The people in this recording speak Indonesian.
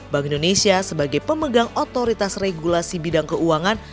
bank indonesia sebagai pemegang otoritas regulasi bidang keuangan